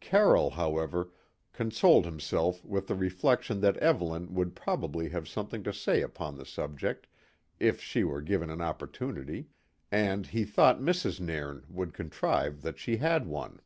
Carroll, however, consoled himself with the reflection that Evelyn would probably have something to say upon the subject if she were given an opportunity, and he thought Mrs. Nairn would contrive that she had one.